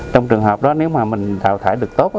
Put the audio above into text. trong trường hợp đó nếu mà mình thảo thải được tốt